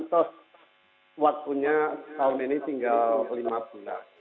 terus waktunya tahun ini tinggal lima bulan